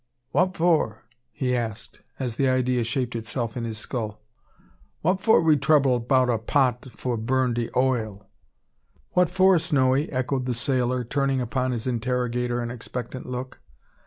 "Wha' for?" he asked, as the idea shaped itself in his skull, "wha' for we trouble 'bout a pot fo' burn de oil?" "What for, Snowy!" echoed the sailor, turning upon his interrogator an expectant look.